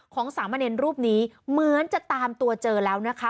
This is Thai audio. สามเณรรูปนี้เหมือนจะตามตัวเจอแล้วนะคะ